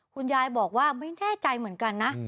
คุณยายบอกว่าไม่แน่ใจเหมือนกันนะ